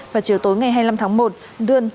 vào chiều tối ngày hai mươi năm tháng một đươn